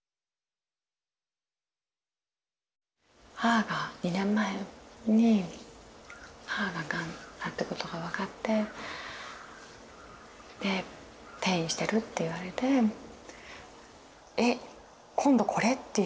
母が２年前に母が癌だってことが分かってで転移してるって言われて「えっ今度これ？」っていう。